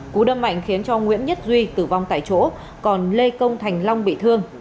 cú đâm mạnh khiến cho nguyễn nhất duy tử vong tại chỗ còn lê công thành long bị thương